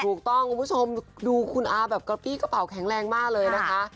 ถูกต้องคุณผู้ชมดูคุณอาแบบกระปรี้กระเป๋ากะเปร่าแข็งแรงมากเลยนะคะ